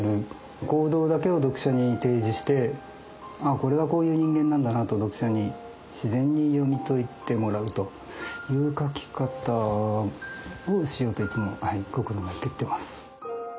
行動だけを読者に提示してああこれはこういう人間なんだなと読者に自然に読み解いてもらうという書き方をしようといつも心がけてます。